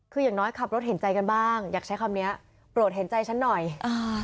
คืออย่างน้อยขับรถเห็นใจกันบ้างอยากใช้คำเนี้ยโปรดเห็นใจฉันหน่อยอ่า